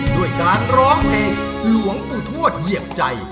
ด้วยการร้องเพลงหลวงปู่ทวดเหยียบใจ